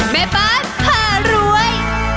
แม่บอร์ดพารวย